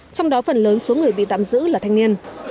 trong đó phần lớn số người bị tạm giữ là thanh niên